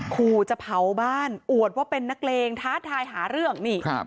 ขู่จะเผาบ้านอวดว่าเป็นนักเลงท้าทายหาเรื่องนี่ครับ